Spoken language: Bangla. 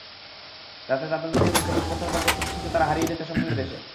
রাতে দাদা-দাদির মুখে রূপকথার গল্প শুনতে শুনতে তারা হারিয়ে যেত স্বপ্নের দেশে।